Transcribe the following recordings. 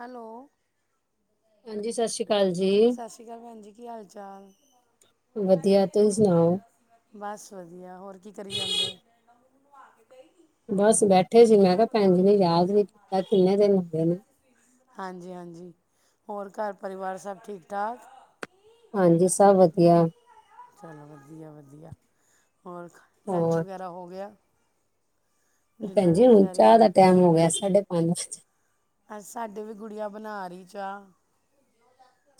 Hello. ਹਾਂਜੀ ਸਤਿ ਸ੍ਰੀ ਅਕਾਲ ਜੀ ਸਤਿ ਸ਼੍ਰੀ ਅਕਾਲ ਭੈਣ ਜੀ ਕੀ ਹਾਲ ਚਾਲ ਵਧੀਆ ਤੁਸੀਂ ਸੁਣਾਓ! ਬਸ ਵਧੀਆ ਹੋਰ ਕੀ ਕਰੀ ਜਾਂਦੇ? ਬਸ ਬੈਠੇ ਸੀ ਮੈਂ ਕਿਹਾ ਭੈਣ ਜੀ ਨੇ ਯਾਦ ਨੀ ਕਿੰਨੇ ਦਿਨ ਹੋ ਗਏ ਨੇ ਹਾਂਜੀ ਹਾਂਜੀ ਹੋਰ ਘਰ ਪਰਿਵਾਰ ਸਭ ਠੀਕ ਠਾਕ ਹਾਂਜੀ ਸਭ ਵਧੀਆ ਚਲੋ ਵਧੀਆ ਵਧੀਆ ਹੋਰ ਲੰਚ ਹੋਰ ਵਗੈਰਾ ਹੋ ਗਿਆ! ਭੈਣ ਡਿਨਰ ਜੀ ਦੀ ਹੁਣ ਤਿਆਰੀ ਹੋ ਚਾਹ ਦਾ ਗਈ ਟਾਈਮ ਹੋ ਗਿਆ ਸਾਢੇ ਪੰਜ ਅ ਸਾਡੇ ਵੀ ਗੁੜੀਆਂ ਬਣਾ ਰਹੀ ਏ ਚਾਹ।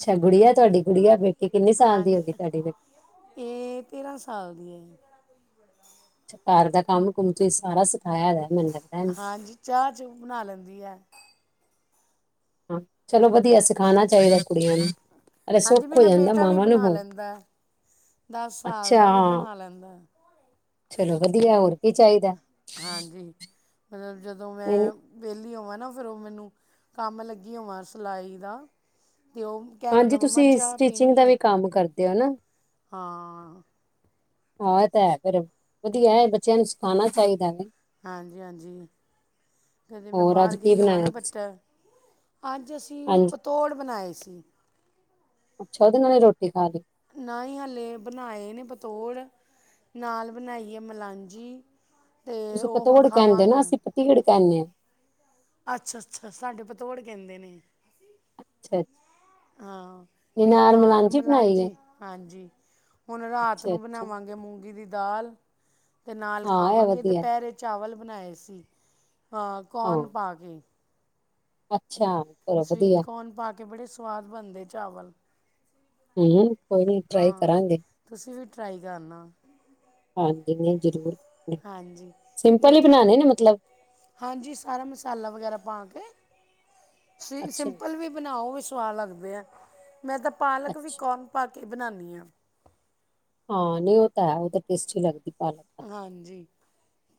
ਅੱਛਾ, ਗੁੜੀਆ ਤੁਹਾਡੀ ਗੁੜੀਆ ਕਿੰਨੀ ਸਾਲ ਦੀ ਹੋ ਹਾਂਜੀ ਗਈ ਤੁਹਾਡੀ ਬੇਟੀ ਕਿਨੇ ਸਾਲ ਦੀ ਹੋ ਗਈ ਤੁਹਾਡੀ ਤੇ? ਇਹ ਤੇਰਾਂ ਸਾਲ ਦੀ ਹੈ। ਘਰ ਦਾ ਕੰਮ-ਕੁਮ ਤੁਸੀਂ ਸਾਰਾ ਸਿਖਾਇਆ ਹੋਇਆ, ਮੈਨੂੰ ਲੱਗਦਾ ਚਾਹ-ਚੂ ਬਣਾ ਲੈਂਦੀ ਹੈ। ਹਾਂ, ਚਲੋ ਵਧੀਆ ਸਿਖਾਉਣਾ ਚਾਹੀਦਾ ਕੁੜੀਆਂ ਨੂੰ। ਅਰੇ ਹਾਂਜੀ, ਸੁੱਖ ਹੋ ਮੇਰਾ ਜਾਂਦਾ ਬੇਟਾ ਵੀ ਮਾਵਾਂ ਨੂੰ ਬਣਾ ਹੋਰ ਲੈਂਦਾ। ਦਸ ਸਾਲ ਅੱਛਾ ਦਾ ਉਹ ਵੀ ਬਣਾ ਲੈਂਦਾ ਹੈ। ਚਲੋ ਵਧੀਆ, ਹੋਰ ਕੀ ਚਾਹੀਦਾ। ਹਾਂਜੀ, ਮਤਲਬ ਜਦੋਂ ਨਹੀਂ, ਮੈਂ ਵਿਹਲੀ ਹੋਵਾਂ ਨਾ ਫਿਰ ਉਹ ਮੈਨੂੰ ਕੰਮ ਲੱਗੀ ਹੋਵਾਂ ਸਿਲਾਈ ਦਾ ਤੇ ਉਹ ਕਹਿ ਹਾਂਜੀ, ਦਿੰਦਾ ਮੰਮਾ ਤੁਸੀਂ ਚਾਹ ਸਟਿਚਿੰਗ ਪੀਣੀ ਦਾ ਹੈ ਵੀ ਕੰਮ ਕਰਦੇ ਹੋ ਨਾ। ਹਾਂ ਹਾਂ, ਇਹ ਤਾਂ ਹੈ ਫੇਰ ਵਧੀਆ ਬੱਚਿਆਂ ਨੂੰ ਸਿਖਾਉਣਾ਼ ਚਾਹੀਦਾ ਵ। ਹਾਂਜੀ-ਹਾਂਜੀ, ਕਦੇ ਮੈਂ ਹੋਰ ਅੱਜ ਬਾਹਰ ਕੀ ਗਈ ਹੋਵਾਂ ਨਾ ਬਣਾਇਆ ਤੁਸੀਂ ਬੱਚਾ ਅੱਜ ਅਸੀਂ ਹਾਂਜੀ ਪਤੌੜ ਬਣਾਏ ਸੀ। ਅਛਾੱ, ਉਹਦੇ ਨਾਲ ਹੀ ਰੋਟੀ ਖਾ ਲਈ। ਨਾ ਹੀ ਹਾਲੇ ਬਣਾਏ ਨੇ ਪਤੋੜ। ਨਾਲ ਬਣਾਈਏ ਮਲਾਂਝੀ ਤੁਸੀਂ ਪਤੋੜ ਕਹਿੰਦੇ ਹੋ ਨਾ ਅਸੀਂ ਪਤੀੜ ਕਹਿੰਦੇ ਹਾਂ। ਅੱਛਾ-ਅੱਛਾ, ਸਾਡੇ ਪਤੌੜ ਕਹਿੰਦੇ ਨੇ। ਅੱਛਾ ਹਾਂ, ਅੱਛਾ ਤੇ ਉਹ ਨਾਲ ਮਲਾਂਜੀ ਬਣਾਈ ਹੈ ਮਲਾਂਝੀ ਹਾਂਜੀ। ਹੁਣ ਰਾਤ ਅੱਛਾ ਨੂੰ ਅੱਛਾ ਬਣਾਵਾਂਗੇ ਮੂੰਗੀ ਦੀ ਦਾਲ। ਅਤੇ ਨਾਲ ਹਾਂ ਇਹ ਖਾਵਾਂਗੇ ਵਧੀਆ ਦੁਪਹਿਰੇ ਚਾਵਲ ਬਣਾਏ ਸੀ ਹਾਂ ਕੋਨ ਪਾ ਕੇ। ਅੱਛਾ। ਚਲੋ ਸਵੀਟ ਵਧੀਆ ਕੋਰਨ ਪਾ ਕੇ ਬੜੇ ਸਵਾਦ ਬਣਦੇ ਚਾਵਲ। ਹੂੰ, ਕੋਈ ਨੀ ਟਰਾਈ ਹਾਂ ਕਰਾਂਗੇ। ਤੁਸੀਂ ਵੀ ਟਰਾਈ ਕਰਨਾ। ਹਾਂਜੀ, ਨਹੀਂ ਜ਼ਰੂਰ, ਹਾਂਜੀ ਸਿੰਪਲ ਹੀ ਦੇਖੇ ਨਾ ਬਣਾਉਣੇ ਨੇ ਮਤਲਬ ਹਾਂਜੀ, ਸਾਰਾ ਮਸਾਲਾ ਵਗੈਰਾ ਪਾ ਕੇ, ਅੱਛਾ ਸਿੰਪਲ ਵੀ ਬਣਾਓ ਸੁਆਹ ਲੱਗਦੇ ਆ, ਮੈਂ ਤਾਂ ਪਾਲਕ ਵੀ ਅੱਛਾ ਕੋਰਨ ਪਾ ਕੇ ਬਣਾਨਿਆਂ। ਹਾਂ, ਨੀ ਉਹ ਤਾਂ ਹੈ ਉਹ ਤਾਂ ਟੇਸਟੀ ਲੱਗਦੀ ਪਾਲਕ ਤਾਂ। ਹਾਂਜੀ,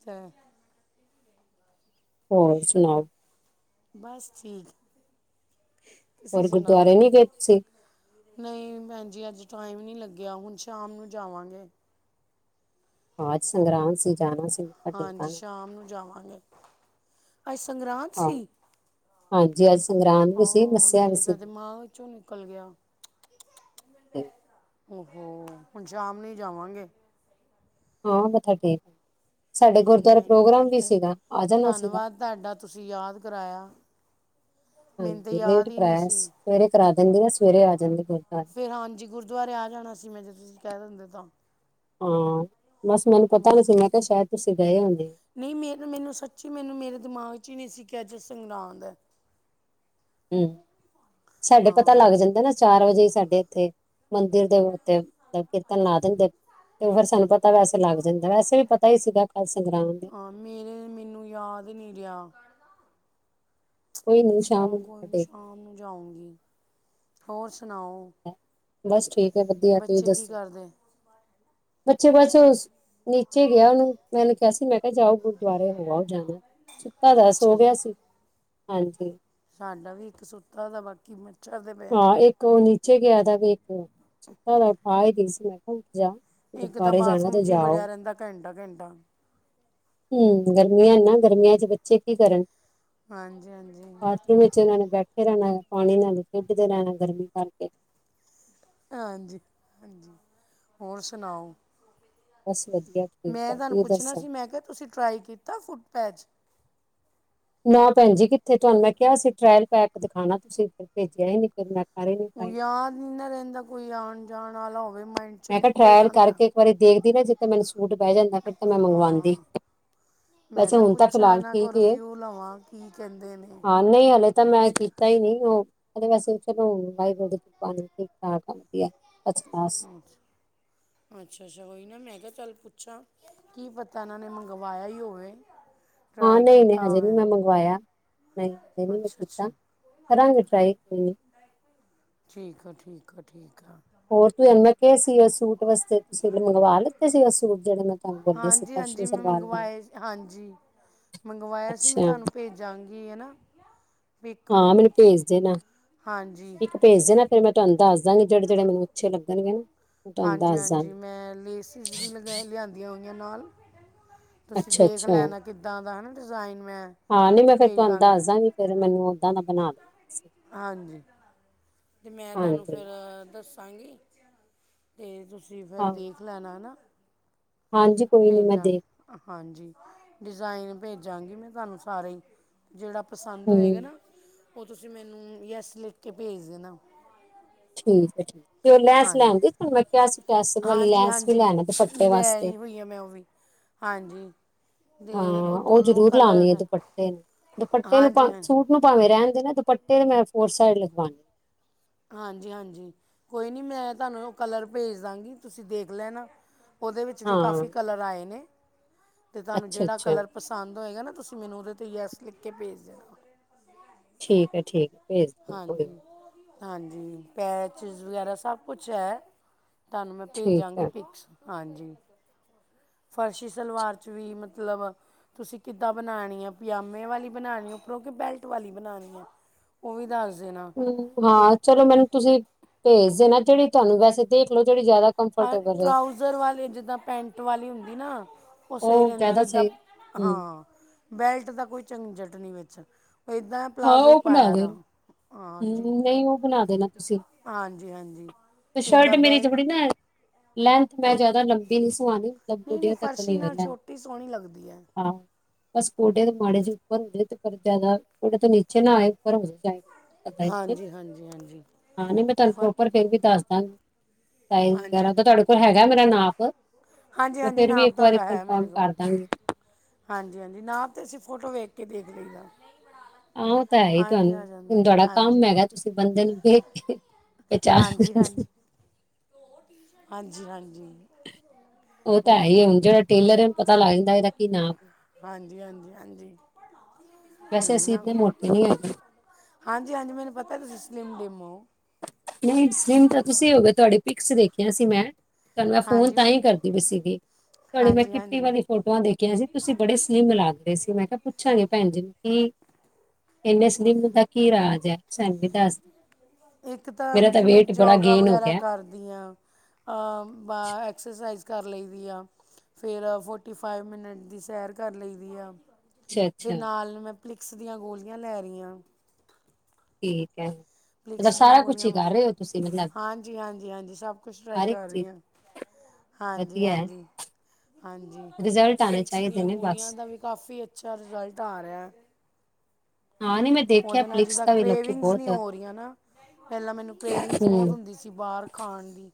ਚ ਹੋਰ ਸੁਣਾਓ। ਬਸ ਠੀਕ ਤੁਸੀਂ ਹੋਰ ਗੁਰਦੁਆਰੇ ਸੁਣਾਓ? ਨੀ ਗਏ ਤੁਸੀਂ ਨਹੀਂ, ਭੈਣ ਜੀ ਅੱਜ ਟਾਈਮ ਨੀ ਲੱਗਿਆ ਹੁਣ ਸ਼ਾਮ ਨੂੰ ਜਾਵਾਂਗੇ। ਹਾ ਅੱਜ ਸੰਗਰਾਂਦ ਸੀ ਜਾਣਾ ਸੀ। ਟੇਕ ਹਾਂਜੀ, ਆਣਾ ਸ਼ਾਮ ਨੂੰ ਜਾਵਾਂਗੇ, ਅੱਜ ਸੰਗਰਾਂਦ ਹਾਂ ਸੀ। ਹਾਂਜੀ ਅੱਜ ਸੰਗਰਾਂਦ ਵੀ ਸੀ ਹਾਂ, ਮੱਸਿਆ ਵੀ ਮੇਰੇ ਤਾਂ ਸੀਗੀ ਦਿਮਾਗ ਵਿੱਚੋਂ ਨਿਕਲ ਗਿਆ। ਤਚ-ਚ-ਚ ਉਹਹੋ ਹੁਣ ਸ਼ਾਮ ਨੀ ਹੀ ਜਾਵਾਂਗੇ। ਹਾਂ, ਮਥਾ ਟੇਕ ਸਾਡੇ ਹਾਂਜੀ ਗੁਰਦੁਆਰਾ ਪ੍ਰੋਗਰਾਮ ਹਾਂਜੀ ਵੀ ਤੇ ਸੀਗਾ, ਆ ਜਾਣਾ ਸੀਗਾ। ਧੰਨਵਾਦ ਤੁਹਾਡਾ ਤੁਸੀਂ ਯਾਦ ਕਰਾਇਆ ਮੈਨੂੰ ਤਾਂ ਹਾਂਜੀ, ਲੇਟ ਯਾਦ ਹੀ ਨਹੀਂ ਕਰਾਇਆ ਸੀ ਸਵੇਰੇ ਕਰਾ ਦਿੰਦੀ ਆ ਸਵੇਰੇ ਆ ਜਾਂਦੀ ਗੁਰੂਦਵਾਰੇ ਫਿਰ ਹਾਂਜੀ ਗੁਰਦੁਆਰੇ ਆ ਜਾਣਾ ਸੀ ਮੈਂ, ਜੇ ਤੁਸੀਂ ਕਹਿ ਦਿੰਦੇ ਤਾਂ। ਹਾਂ, ਬਸ ਮੈਨੂੰ ਪਤਾ ਨੀ ਸੀ ਮੈਂ ਕਿਹਾ, ਸ਼ਾਇਦ ਤੁਸੀਂ ਗਏ ਹੋਦੇ ਹੋ। ਨਹੀਂ, ਮੇ ਮੈਨੂੰ ਸੱਚੀ ਮੈਨੂੰ ਮੇਰੇ ਦਿਮਾਗ ਚ ਹੀ ਨਹੀਂ ਸੀ ਖਿਆ ਜੋ ਸੰਗਰਾਦ ਹੈ। ਹੂੰ, ਸਾਡੇ ਪਤਾ ਹਾਂ ਲੱਗ ਜਾਂਦਾ ਨਾ ਚਾਰ ਵਜੇ ਹੀ ਸਾਡੇ ਇੱਥੇ ਮੰਦਿਰ ਦੇ ਉੱਤੇ ਕੀਰਤਨ ਲਾ ਦਿੰਦੇ। ਤੇ ਉਹ ਫਿਰ ਸਾਨੂੰ ਪਤਾ ਵੈਸੇ ਲੱਗ ਜਾਂਦਾ, ਵੈਸੇ ਵੀ ਪਤਾ ਹੀ ਸੀਗਾ ਕੱਲ ਸੰਗਰਾਮ ਏ। ਹਾਂ, ਮੇਰੇ ਮੈਨੂੰ ਯਾਦ ਨਹੀਂ ਰਿਹਾ। ਕੋਈ ਨੀ ਸ਼ਾਮ ਜਾਣ ਨੂੰ ਮੱਥਾ ਕੋਈ ਟੇਕ ਸ਼ਾਮ ਨੂੰ ਜਾਊਂਗੀ, ਹੋਰ ਸੁਣਾਓ। ਬਸ ਠੀਕ ਹੈ ਵਧੀਆ ਤੁਸੀਂ ਬੱਚੇ ਕੀ ਦੱਸੋ, ਕਰਦੇ ਬੱਚੇ ਬਸ। ਨੀਚੇ ਗਿਆ ਉਹਨੂੰ, ਮੈਂ ਕਿਹਾ ਉਸਨੂੰ ਮੈਂ ਕਿਹਾ ਜਾਓ ਗੁਰਦੁਆਰੇ ਹੋ ਆਓ ਜਾਦਿਂਆ। ਦਾਦਾ ਸੋ ਅੱਛਾ ਜੀ ਗਿਆ ਸੀ, ਹਾਂਜੀ। ਸਾਡਾ ਵੀ ਇੱਕ ਸੁੱਤਾ ਦਾ ਬਾਕੀ। ਮੱਛਰਦੇ ਪਏ ਹਾਂ, ਇੱਕ ਉਹ ਨੀਚੇ ਗਿਆ ਤ ਵੀ ਇੱਕ ਸੁੱਤਾ ਪਾ ਗਈ ਸੀ ਮੈਂ ਕਿਹਾ ਜਾ। ਇੱਕ ਤਾਂ ਗੁਰਦੁਆਰੇ ਜਾਣਾ ਬਾਥਰੂਮ ਤੇ ਚ ਹੀ ਜਾਓ ਵੜਿਆ ਰਹਿੰਦਾ ਘੰਟਾ -ਘੰਟਾ ਹੂੰ, ਗਰਮੀਆਂ ਨਾ ਗਰਮੀਆਂ ਚ ਬੱਚੇ ਕੀ ਕਰਨ। ਹਾਂਜੀ-ਹਾਂਜੀ, ਵਿਚ ਉਹਨਾਂ ਨੇ ਬੈਠੇ ਰਹਿਣਾ ਪਾਣੀ ਨਾਲ ਖੇਡਦੇ ਰਹਿਣਾ ਗਰਮੀ ਕਰਕੇ ਹਾਂਜੀ- ਹਾਂਜੀ ਹੋਰ ਸੁਣਾਓ- ਬਸ ਵਧੀਆ- ਠੀਕ ਮੈ ਹੈ ਤੁਹਾਨੂੰ ਤੁਸੀਂ ਪੁੱਛਣਾ ਦੱਸੋ ਸੀ ਮੈ ਕਿਹਾ ਤੁਸੀ ਟਰਾਈ ਕੀਤਾ ਫੁੱਟ ਪੈਚ ਨਾ ਭੈਣ ਜੀ ਕਿੱਥੇ ਤੁਹਾਨੂੰ ਮੈਂ ਕਿਹਾ ਸੀ ਟ੍ਰਾਇਲ ਪੈਕ ਦਿਖਾਉਣਾ ਤੁਸੀਂ ਭੇਜਿਆ ਹੀ ਨ ਫਿਰ ਮੈ ਉਹ ਯਾਦ ਨਹੀ ਰਹਿੰਦਾ ਕੋਈ ਆਉਣ- ਜਾਣ ਵਾਲਾ ਹੋਵੇ ਮਾਈਂਡ 'ਚ ਮੈ ਕਿਹਾ ਨਿਕਲ ਟਰਾਇਲ ਜਾਂਦਾ ਕਰਕੇ ਇੱਕ ਵਾਰੀ ਦੇਖਦੀ ਨਾ ਜੇ ਮੈਨੂੰ ਸੂਟ ਬਹਿ ਜਾਂਦਾ ਤਾਂ ਮੈ ਮੰਗਵਾਉਦੀ ਹਾਂ ਮੈਂ ਕਿਹਾ ਪੁੱਛਾਂ ਇਹਨਾਂ ਕੋਲ ਹੀ ਹੈ ਰਿਵਿਊ ਲਵਾਂ ਕੀ ਕਹਿੰਦੇ ਨੇ ਹਾਂ ਨਹੀ ਹਲੇ ਤਾਂ ਮੈਂ ਕੀਤਾ ਹੀ ਨਹੀ ਉਹ- ਵੈਸੇ ਚਲੋ ਵਾਈ ਪਾਣੀ ਦੀ ਖਰਾਬ ਕਰਦੀ ਹੈ। ਅਛ- ਅਛਾ ਉਹੀ ਨਾ, ਮੈ ਕਿਹਾ ਚੱਲ ਪੁੱਛਾਂ ਕੀ ਪਤਾ ਇਹਨਾਂ ਨੇ ਮੰਗਵਾਇਆ ਹੀ ਹੋਵੇ- ਹਾਂ ਟਰਾਈ ਨਹੀ ਨਹੀ ਕੀਤਾ ਹਜੇ ਨਹੀ ਹੋਵੇ ਮੈ ਮੰਗਵਾਇਆ, ਨਹੀ ਹਜੇ ਨਹੀ ਮੈਂ ਅੱਛਾ ਕੀਤਾ ਅੱਛਾ ਕਰਾਗੀ ਟਾਈ- [unintelligible] ਠੀਕ ਆ ਠੀਕ ਆ ਠੀਕ ਆ- ਹੋਰ ਤੂੰਂ ਮੈ ਕਿਹਾ ਸੀ ਉਹ ਸੂਟ ਵਾਸਤੇ ਤੁਸੀ ਮੰਗਵਾ ਲਿੱਤੇ ਸੀ ਉਹ ਸੂਟ ਜਿਹੜੇ ਮੈ ਤੁਹਾਨੂੰ ਬੋਲੇ ਸੀ। ਹਾਂਜੀ ਫਰਸ਼ੀ ਹਾਂਜੀ ਮੈਂ ਸਲਵਾਰ ਵਾਲਾ ਮੰਗਵਾਏ ਹਾਂਜੀ ਮੰਗਵਾਇਆ ਸੀ ਮੈਂ ਅੱਛਾ ਤੁਹਾਨੂੰ ਜੰਗੀਅ ਨਾ- ਪਿਕ ਹਾਂ ਮੈਨੂੰ ਭੇਜ ਦੇਣਾ- ਹਾਂਜੀ- ਇੱਕ ਭੇਜ ਦੇ ਨਾ ਫਿਰ ਮੈਂ ਤੁਹਾਨੂੰ ਦੱਸ ਦਵਾਂਗੀ ਜਿਹੜੇ-ਜਿਹੜੇ ਮੈਨੂੰ ਅਛੇ ਲੱਗਣਗੇ ਨਾ ਮੈਂ ਤੁਹਾਨੂੰ ਦੱਸ ਦਵਾਂਗੀ। ਚੀਜ਼ ਵੀ ਲਗ ਲਿਆਦੀਆਂ ਹੋਈਆਂ ਨਾਲ, ਤੁਸੀਂ ਦੇਖ ਅੱਛਾ-ਅੱਛਾ, ਲੈਣਾ। ਕਿੱਦਾਂ ਦਾ ਹੈ ਨਾ ਡਿਜ਼ਾਇਨ ਮੈਂ। ਹਾਂ, ਨਹੀਂ ਮੈਂ ਫੇਰ ਭੇਜ ਤੁਹਾਨੂੰ ਦਾਂਗੀ ਦੱਸਦਾਂਗੀ ਫਿਰ ਮੈਨੂੰ ਓਦਾਂ ਦਾ ਬਣਾ ਦੇਣਾ। ਤੁਸੀਂ। ਹਾਂਜੀ, ਤੇ ਮੈਂ ਤੁਹਾਨੂੰ ਹਾਂਜੀ, ਫਿਰ ਦੱਸਾਂਗੀ। ਅਤੇ ਤੁਸੀਂ ਫਿਰ ਹਾਂ, ਦੇਖ ਲੈਣਾ ਨਾ, ਹਾਂਜੀ ਕੋਈ ਨੀ ਮੈਂ ਭੇਜਾਂ। ਦੇਖ ਹਾਂਜੀ, ਡਿਜ਼ਾਇਨ ਭੇਜਾਂਗੀ ਮੈਂ ਤੁਹਾਨੂੰ ਸਾਰੇ। ਜਿਹੜਾ ਪਸੰਦ ਹੋਏਗਾ ਹੂੰ, ਨਾ ਉਹ ਤੁਸੀ ਮੈਨੂੰ ਯੈਸ ਲਿਖ ਕੇ ਭੇਜ ਦੇਣਾ ਠੀਕ ਹੈ। ਠੀਕ- ਤੇ ਉਹ ਲੈਸ ਹਾਂਜੀ ਲੈਣਂਦੀ ਤੁਹਾਨੂੰ ਮੈ ਕਿਆਸੀ- ਕਿਆਸੀ ਹਾਂਜੀ ਲੈਸ ਵੀ ਹਾਂਜੀ ਲੈਣਾ ਦੁਪੱਟੇ ਲੈ ਵਾਸਤੇ ਆਈ ਹੋਈ ਆ ਮੈਂ ਉਹ ਵੀ ਹਾਂਜੀ- ਅਤੇ ਹਾਂ ਉਹ ਦੋਨੋਂ ਜ਼ਰੂਰ ਕਲਰ ਲਾਉਣੀ ਹੈ। ਦੁਪੱਟੇ ਨੂੰ ਦੁਪੱਟੇ ਨੂੰ ਤਾਂ ਹਾਂਜੀ ਹਾਂ ਸੂਟ ਨੂੰ ਭਾਵੇਂ ਰਹਿਣ ਦੇਣਾ, ਦੁਪੱਟੇ ਦੇ ਮੈ ਫੋਰ ਸਾਈਡ ਲਗਵਾਉਣੀ ਹਾਂਜੀ- ਹਾਂਜੀ ਕੋਈ ਨਹੀ ਮੈ ਤੁਹਾਨੂੰ ਉਹ ਕਲਰ ਭੇਜ ਦਵਾਂਗੀ ਤੁਸੀ ਦੇਖ ਲੈਣਾ ਉਹਦੇ ਵਿਚ ਵੀ ਹਾਂ, ਕਾਫੀ ਕਲਰ ਆਏ ਨੇ, ਤੇ ਤੁਹਾਨੂੰ ਜਿਹੜਾ ਅੱਛਾ-ਅੱਛਾ, ਕਲਰ ਪਸੰਦ ਹੋਏਗਾ ਨਾ ਤੁਸੀ ਮੈਨੂੰ ਉਹਦੇ 'ਤੇ ਯੈਸ ਲਿਖ ਕੇ ਭੇਜ ਦੇਣਾ ਠੀਕ ਹੈ। ਠੀਕ ਹੈ। ਭੇਜ ਦਿ ਕੋਈ ਹਾਂਜੀ ਹਾਂਜੀ ਪੈਚਿਸ ਵਗੈਰਾ ਸਭ ਕੁਛ ਹੈ। ਤੁਹਾਨੂੰ ਮੈਂ ਠੀਕ ਭੇਜਾਂਗੀ ਐ। ਪਿਕਸ- ਹਾਂਜੀ- ਫਰਸ਼ੀ ਸਲਵਾਰ 'ਚ ਵੀ ਮਤਲਬ- ਤੁਸੀ ਕਿੱਦਾਂ ਬਣਾਉਣੀ ਆ, ਪਜਾਮੇ ਵਾਲੀ ਬਣਾਉਣੀ ਉਪਰੋਂ ਕਿ ਬੈਲਟ ਵਾਲੀ ਬਣਾਉਣੀ ਆ ਉਹ ਵੀ ਦੱਸ ਦੇਣਾ। ਹੂੰ ਇੱਕ ਹਾਂ ਚਲੋ ਮੈਨੂੰ ਤੁਸੀ ਭੇਜ ਦੇ ਨਾ ਜਿਹੜੀ ਤੁਹਾਨੂੰ ਵੈਸੇ ਦੇਖ ਲਓ ਜਿਹੜੀ ਜ਼ਿਆਦਾ ਆ ਕੰਫਰਟੇਬਲ ਰਹੇ। ਟਰਾਊਜ਼ਰ ਵਾਲੇ ਜਿੱਦਾਂ ਪੈਂਟ ਵਾਲੀ ਹੁੰਦੀ ਨਾ ਉਹ ਸਹੀ ਰਹਿੰਦੀ ਕਿ ਜ਼ਿਆਦਾ ਇੱਦਾਂ ਸਹੀ ਹੂੰ ਹਾਂ ਬੈਲਟ ਦਾ ਕੋਈ ਝੰਜਟ ਨਹੀ ਵਿਚ ਏਦਾ ਹਾਂ ਉਹ ਬਣਾ ਦੇਣਾ ਹੂੰ ਨਹੀ ਉਹ ਬਣਾ ਦੇਣਾ ਤੁਸੀ ਹਾਂਜੀ ਹਾਂਜੀ ਤੇ ਸ਼ਰਟ ਇੱਦਾਂ ਮੇਰੀ ਥੋੜੀ ਬੈਲਟ ਨਾ ਲੈਥ ਮੈ ਜ਼ਿਆਦਾ ਲੰਬੀ ਨੀ ਸੁਵਾਂਣੀ ਨਹੀਂ ਨਹੀਂ ਗੋਡਿਆਂ ਤੱਕ ਫਰਸ਼ੀ ਨਹੀ ਹੋਵੇ ਨਾਲ ਲੈ ਛੋਟੀ ਸੋਹਣੀ ਲੱਗਦੀ ਏ। ਬਸ ਗੋਡਿਆ ਦੇ ਮਾੜੇ 'ਚ ਉਪਰ ਹੁੰਦੇ ਤੇ ਪਰ ਜ਼ਿਆਦਾ ਗੋਡੇ ਤਾਂ ਨੀਚੇ ਨਾ ਪਰ ਹੋ [unintelligible] ਹਾਂਜੀ- ਹਾਂਜੀ- ਹਾਂਜੀ। ਹਾਂ ਨੀ ਮੈਂ ਤੁਾਨੂੰ ਫ- ਪ੍ਰੋਪਰ ਫੇਰ ਵੀ ਦੱਸ ਦਾਂਗੀ। ਸ ਹਾਂਜੀ ਵਗੈਰਾ ਤਾਂ ਤੁਆਡੇ ਕੋਲ ਹੈਗਾ ਮੇਰਾ ਨਾਪ ਹਾਂਜੀ ਮੈਂ ਹਾਂਜੀ ਫੇਰ ਵੀ ਨਾਮ ਇੱਕ ਵਾਰੀ ਤੁਹਾਡਾ ਹੈ ਮੇਰੇ ਕਨਫਰਮ ਕੋਲ ਕਰ ਦਾਂਗੀ। ਹਾਂਜੀ- ਹਾਂਜੀ ਨਾਪ ਤੇ ਅਸੀਂ ਫੋਟੋ ਵੇਖ ਕੇ ਦੇਖ ਲਈ ਦਾ ਆ ਓ ਤਾਂ ਹੈ ਹੀ ਤੁਹਾਨੂੰ ਹੁਣ ਤੁਹਾਡਾ ਕੰਮ ਹੈਗਾ ਤੁਸੀਂ ਬੰਦੇ ਨੂੰ ਵੇਖ ਕੇ [inaudible] ਹਾਂਜੀ ਹਾਂਜੀ [unintelligible] ਹਾਂਜੀ- ਹਾਂਜੀ। ਉ ਤਾਂ ਹੈ ਉਹੀ ਈ ਏ ਨਾ ਹੁਣ ਜਿਹੜਾ ਟੇਲਰ ਏ ੳਨੂੰ ਪਤਾ ਲੱਗ ਜਾਂਦਾ ਇਹਦਾ ਕੀ ਨਾਪ ਹਾਂਜੀ- ਹਾਂਜੀ- ਹਾਂਜੀ। ਵੈਸੇ ਉਹੀ ਅਸੀਂ ਨਾ ਇਦੇ ਮੋਟੇ ਨੀ ਹੈਗੇ। ਹਾਂਜੀ- ਹਾਂਜੀ ਮੈਨੂੰ ਪਤਾ ਤੁਸੀਂ ਸਲਿਮ ਡਿਮ ਓ। ਨਹੀਂ ਸਲਿਮ ਤਾਂ ਤੁਸੀਂ ਹੋ ਗੇ ਤੁਹਾਡੇ ਪਿਕਸ ਵੇਖਿਆ ਸੀ ਮੈਂ ਤੁਹਾਨੂੰ ਮੈਂ ਫੋਨ ਹਾਂਜੀ ਤਾਂ ਈ ਕਰਦੀ ਵੀ ਸੀਗੀ ਤੁਹਾਡੀ ਮੈਂ ਹਾਂਜੀ ਕਿੱਟੀ ਹਾਂਜੀ ਵਾਲੀ ਫੋਟੋਆਂ ਦੇਖੀਆਂ ਸੀ ਤੁਸੀਂ ਬੜੇ ਸਲਿਮ ਲੱਗ ਰੇ ਸੀ ਮੈਂ ਕਿਆ ਪੁੱਛਾਂਗੀ ਭੈਣ ਜੀ ਨੂੰ ਕੀ ਇੰਨੇ ਸਲਿਮ ਦਾ ਕੀ ਰਾਜ ਅੇ ਸਾਨੂੰ ਵੀ ਦੱਸ ਇੱਕ ਤਾਂ ਮੇਰਾ ਜੀ ਮੈਂ ਬੜਾ ਯੋਗਾ ਗੇਨ ਹੋ ਵਗੈਰਾ ਗਿਆ ਕਰ ਦੀਆਂ ਐਕਸਰਸਾਈਜ਼ ਕਰ ਲਈ ਦੀ ਆ। ਫੇਰ ਫੋਟੀ ਫਾਈਵ ਮਿੰਨਟ ਦੀ ਸੈਰ ਕਰ ਲਈਦੀ ਆ। ਅੱਛਾ ਫਿਰ ਅੱਛਾ ਨਾਲ ਨੂੰ ਮੈਂ ਪਲਿਕਸ ਦੀਆਂ ਗੋਲੀਆਂ ਲੈ ਰਹੀ ਆਂ। ਠੀਕ ਹੈ। ਮਤਲਬ ਪਲਿਕਸ ਦੀਆਂ ਸਾਰਾ ਕੁਛ ਗੋਲੀਆਂ ਹੀ ਕਰ ਰਹੇ ਹੋ ਤੁਸੀਂ ਮਤਲਬ ਹਾਂਜੀ- ਹਾਂਜੀ- ਹਾਂਜੀ ਸਭ ਕੁਛ ਟਰਾਈ ਹਰ ਇੱਕ ਕਰ ਰਹੀ ਚੀਜ਼ ਹਾਂ। ਹਾਂਜੀ- ਵਧੀਆ ਹੈ ਹਾਂਜੀ ਹਾਂਜੀ ਰਿਜ਼ਲਟ ਆਣੇ ਪਲਿਕਸ ਚਾਹੀਦੇ ਦੀਆਂ ਨੇ ਗੋਲੀਆਂ ਬਸ ਦਾ ਵੀ ਕਾਫ਼ੀ ਅਛਾ ਰਿਜ਼ਲਟ ਆ ਰਿਹਾ ਹੈ। ਹਾਂ ਨਹੀਂ ਮੈਂ ਦੇਖਿਆ ਉਹਦੇ ਨਾਲ ਪਲਿਕਸ ਜਿੱਦਾਂ ਦਾ ਵੀ ਲੋਕੀ ਕਰੇਵਿੰਗਸ ਬਹੁਤ ਨਹੀ ਹੋ ਰਹੀਆਂ ਨਾ। ਪਹਿਲਾਂ ਮੈਨੂੰ ਕਰੇਵਿੰਗਸ ਬੋਤ ਹੂੰ ਹੁੰਦੀ ਸੀ ਬਾਰ ਖਾਣ ਦੀ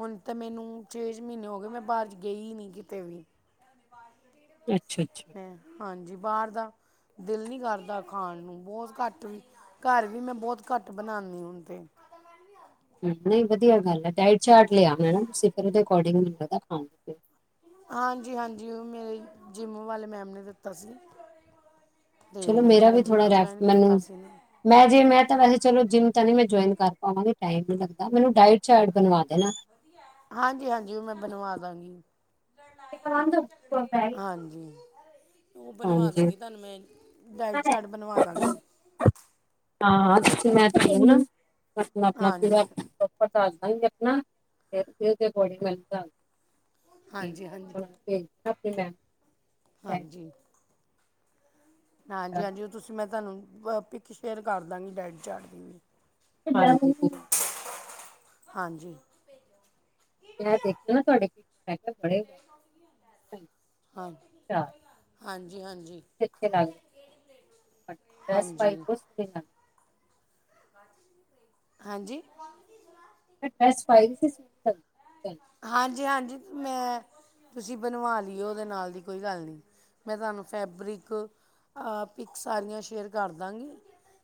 ਹੁਣ ਤਾਂ ਮੈਨੂੰ ਛੇਜ ਮੀਨੇ ਹੋ ਗਏ ਮੈਂ ਬਾਰ ਗਈ ਨੀ ਕਿਤੇ ਵੀ [inaudible] ਅੱਛਾ- ਅੱਛਾ ਹਾਂਜੀ ਬਾਰ ਦਾ ਦਿਲ ਨੀ ਕਰਦਾ। ਖਾਣ ਨੂੰ ਬੋਤ ਘੱਟ ਵੀ ਘਰ ਵੀ ਮੈਂ ਬੋਤ ਘੱਟ ਬਣਾਨੀ ਹੁਣ ਤੇ ਨਹੀਂ ਵਧੀਆ ਗੱਲ ਏ ਡਾਇਟ ਚਾਰਟ ਲਿਆ ਮੈ ਨਾ ਤੁਸੀਂ ਫਿਰ ਉਦੇ ਅਕੋਰਡਿੰਗੈਨੂੰ ਲਿਆ ਖਾਂ ਤੇ ਹਾਂਜੀ- ਹਾਂਜੀ ਉ ਮੇਰੇ ਜਿੰਮ ਵਾਲੇ ਮੈਮ ਨੇ ਦਿੱਤਾ ਸੀ। ਤੇ ਚਲੋ ਮੇਰਾ ਮੈਂ ਵੀ ਥੋੜਾ ਜਿੰਮ ਰੈਫ ਜੁਆਇਨ ਮੈਨੂੰ ਕੀਤਾ ਸੀ ਨਾ ਮੈਂ ਜੇ ਮੈਂ ਤਾਂ ਵੈਸੇ ਚਲੋ ਜਿੰਮ ਤਾਂ ਨੀ ਮੈਂ ਜੁਆਇਨ ਕਰ ਪਾਵਾਂਗੀ ਟਾਈਮ ਨੀ ਲੱਗਦਾ ਮੈਨੂੰ ਡਾਇਟਡ ਚਾਰਟ ਬਣਵਾ ਦੋ। ਹਾਂਜੀ- ਹਾਂਜੀ ਓ ਮੈਂ ਬਣਵਾ ਦਾਂਗੀ। ਹਾਂਜੀ [inaudible] ਉ ਬਣਵਾ ਹਾਂਜੀ ਦਾਂਗੀ ਤਾਨੂੰ ਮੈਂ ਡਾਇਟ ਹਾਂ ਚਾਟ ਬਣਵਾ ਦਾਂਗੀ। ਹਾਂ ਮੈਂ ਆਪਣਾ ਆਪਣਾ [unintelligible] ਹਾਂਜੀ ਮੈਨੂੰ ਦੱਸ ਦਾਂਗੀ ਆਪਣਾ ਤੇ ਉਹਦੇ ਅਕੋਰਡਿੰਗ ਮ [unintelligible] ਹਾਂਜੀ- ਹਾਂਜੀ- ਦੇਣਾ ਆਪਣੀ ਮੈਮ ਹਾਂਜੀ। ਹਾਂਜੀ ਨੂੰ। ਹਾਂਜੀ ਉਹ ਤੁਸੀਂ ਮੈਂ ਤਾਨੂੰ ਪਿੱਕ ਸ਼ੇਅਰ ਕਰ ਦਾਂਗੀ ਡਾਈਟ ਚਾਰਟ ਦੀ ਵੀ [inaudible] ਹਾਂਜੀ ਮੈਂ ਦੇਖਿਆ ਨਾ ਤੁਹਾਡੇ ਮੈਂ ਕਿਹਾ ਬੜੇ ਹੀ। ਹਾਂਜੀ ਹਾਂਜੀ ਹਾਂਜੀ। ਇਥੇ ਤੱਕ ਡਰੈਸ ਪਾਈ ਹਾਂਜੀ ਬਹੁਤ ਸੋਹਣੇ ਲੱਗਦੀ ਹੈ। ਹਾਂਜੀ? ਡਰੈਸ ਪਾਈ ਦੀ ਸੀ ਸੋਹਣੀ ਲੱਗਦੀ ਸੀ। ਹਾਂਜੀ, ਹਾਂਜੀ ਮੈਂ ਤੁਸੀਂ ਬਣਵਾ ਲਈਓ ਉਦੇ ਨਾਲ ਦੀ ਕੋਈ ਗੱਲ ਨੀ। ਮੈਂ ਤਹਾਨੂੰ ਫੈਬਰਿਕ ਅ ਪਿਕ ਸਾਰੀਆਂ ਸ਼ੇਅਰ ਕਰ ਦਾਂਗੀ।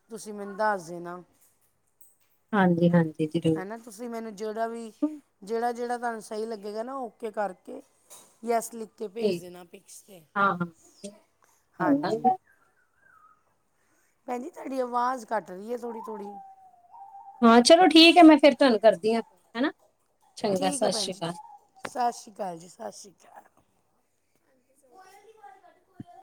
ਤੁਸੀਂ ਮੈਨੰ ਦੱਸ ਦੇਣਾ। ਹਾਂਜੀ, ਹਾਂਜੀ ਜ਼ਰੂਰ ਹਨਾ ਤੁਸੀਂ ਮੈਨੂੰ ਜਿਹੜਾ ਵੀ ਜਿਹੜਾ ਜਿਹੜਾ ਤੁਹਾਨੂੰ ਸਹੀ ਲੱਗੇਗਾ ਨਾ ਓਕੇ ਕਰਕੇ। ਯੈਸ ਲਿਖ ਕੇ ਓਕੇ ਭੇਜ ਦੇਣਾ ਪੀਸ ਤੇ, ਹਾਂ ਹਾਂਜੀ। ਹਾਂ ਭੈਣਜੀ, ਤੁਹਾਡੀ ਆਵਾਜ਼ ਕੱਟ ਰਹੀ ਆ ਥੋੜੀ-ਥੋੜੀ। ਹਾਂ ਚਲੋ ਠੀਕ ਐ, ਮੈਂ ਫੇਰ ਤੁਆਨੂੰ ਕਰਦੀ ਆ। ਠੀਕ ਐ ਭੈਣ ਜੀ, ਸਤਿ ਸ੍ਰੀ ਅਕਾਲ ਜੀ ਸਤਿ ਸ਼੍ਰੀ ਅਕਾਲ।